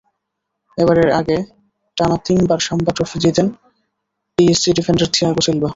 এবারের আগে টানা তিনবার সাম্বা ট্রফি জেতেন পিএসজি ডিফেন্ডার থিয়াগো সিলভা।